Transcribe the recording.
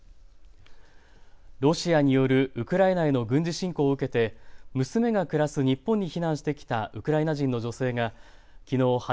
ロシアによるウクライナへの軍事侵攻を受けて娘が暮らす日本に避難してきたウクライナ人の女性がきのう